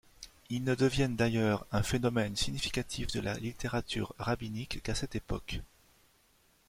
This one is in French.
Ils ne deviennent d’ailleurs un phénomène significatif de la littérature rabbinique qu’à cette époque.